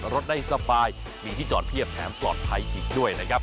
เอาล่ะเดินทางมาถึงในช่วงไฮไลท์ของตลอดกินในวันนี้แล้วนะครับ